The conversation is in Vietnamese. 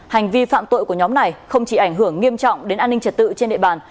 hành vi phạm tội của nhóm này không chỉ ảnh hưởng nghiêm trọng đến an ninh trật tự trên địa bàn